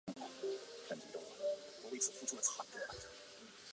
以泰语的恒星命名。